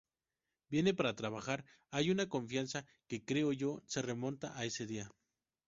Vienen para trabajar, hay una confianza, que creo yo, se remonta a ese día.